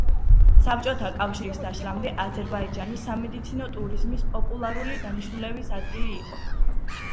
საბჭოთა კავშირის დაშლამდე აზერბაიჯანი სამედიცინო ტურიზმის პოპულარული დანიშნულების ადგილი იყო.